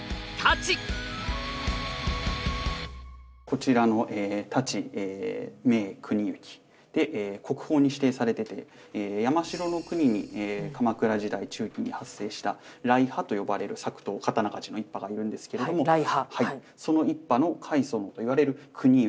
こちらの「太刀銘国行」で国宝に指定されてて山城国に鎌倉時代中期に発生した来派と呼ばれる作刀刀鍛冶の一派がいるんですけれどもその一派の開祖といわれる国行が作りました太刀ですね。